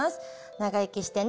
長生きしてね！